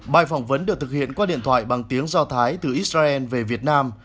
bài phỏng vấn được thực hiện qua điện thoại bằng tiếng do thái từ israel về việt nam